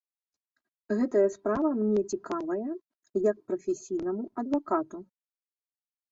Гэтая справа мне цікавая, як прафесійнаму адвакату.